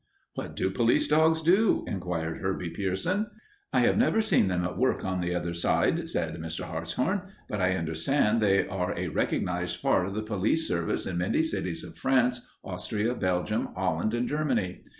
"What do police dogs do?" inquired Herbie Pierson. "I have never seen them at work on the other side," said Mr. Hartshorn, "but I understand they are a recognized part of the police service in many cities of France, Austria, Belgium, Holland, and Germany.